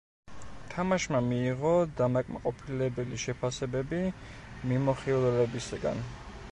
თამაშმა მიიღო დამაკმაყოფილებელი შეფასებები მიმოხილველებისგან.